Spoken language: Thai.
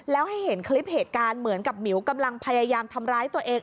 แล้วให้เห็นคลิปเหตุการณ์เหมือนกับหมิวกำลังพยายามทำร้ายตัวเอง